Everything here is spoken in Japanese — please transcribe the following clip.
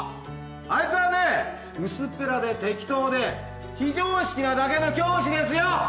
あいつはね薄っぺらで適当で非常識なだけの教師ですよ。